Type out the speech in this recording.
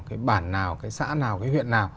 cái bản nào cái xã nào cái huyện nào